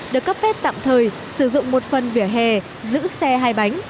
được cấp phép tạm thời sử dụng một phần vỉa hè giữ xe hai bánh